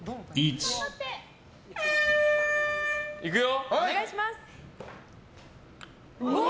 いくよ！